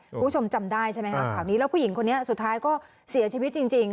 คุณผู้ชมจำได้ใช่ไหมครับข่าวนี้แล้วผู้หญิงคนนี้สุดท้ายก็เสียชีวิตจริง